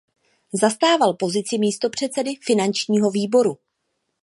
Zastával pozici místopředsedy Finančního výboru.